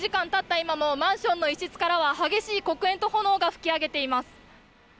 今も、マンションの一室からは激しい黒煙と炎が噴き上げています。